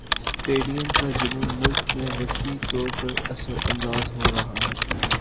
stadium کا جنون مُلک میں وسیع طور پر اثرانداز ہو رہا ہے